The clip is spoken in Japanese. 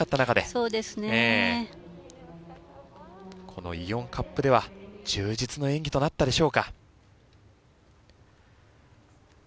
このイオンカップでは充実の演技となったでしょうか。